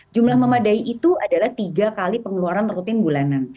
jumlah memadai itu adalah tiga kali pengeluaran rutin bulanan